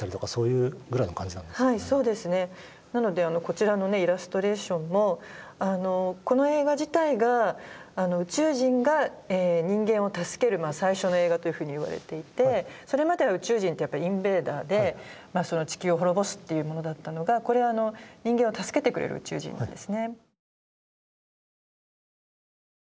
なのでこちらのねイラストレーションもこの映画自体が宇宙人が人間を助ける最初の映画というふうにいわれていてそれまでは宇宙人ってやっぱインベーダーで地球を滅ぼすっていうものだったのがこれは人間を助けてくれる宇宙人なんですね。